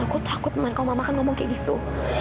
aku takut kalau mama kan ngomong kayak gitu